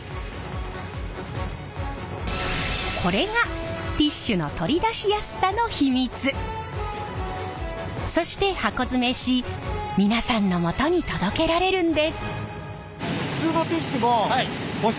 これがティッシュのそして箱詰めし皆さんのもとに届けられるんです。